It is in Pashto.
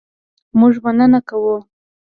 مونږ مننه کوو